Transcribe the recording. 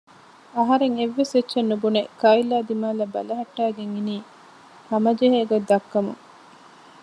އަހަރެން އެއްވެސް އެއްޗެއް ނުބުނެ ކައިލްއާ ދިމާއަށް ބަލަހައްޓައިގެން އިނީ ހަމަޖެހޭ ގޮތް ދައްކަމުން